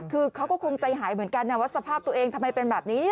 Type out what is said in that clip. คือเขาก็คงใจหายเหมือนกันนะว่าสภาพตัวเองทำไมเป็นแบบนี้